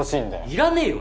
いらねぇよ